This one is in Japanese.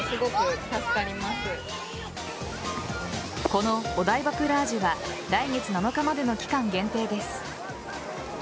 このお台場プラージュは来月７日までの期間限定です。